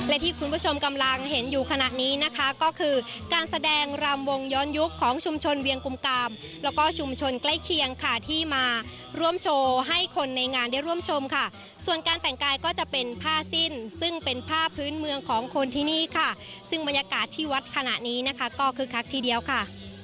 และที่คุณผู้ชมกำลังเห็นอยู่ขณะนี้นะคะก็คือการแสดงรำวงย้อนยุคของชุมชนเวียงกุมกามแล้วก็ชุมชนใกล้เคียงค่ะที่มาร่วมโชว์ให้คนในงานได้ร่วมชมค่ะส่วนการแต่งกายก็จะเป็นผ้าสิ้นซึ่งเป็นผ้าพื้นเมืองของคนที่นี่ค่ะซึ่งบรรยากาศที่วัดขณะนี้นะคะก็คึกคักทีเดียวค่ะ